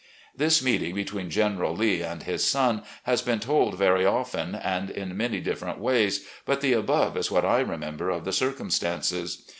This meeting between General Lee and his son has been told very often and in many different ways, but the above is what I remember of the circumstances.